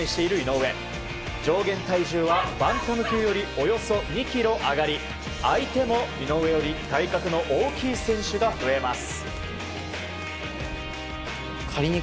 上限体重はバンタム級よりおよそ２ｋｇ上がり相手も井上より体格の大きい選手が増えます。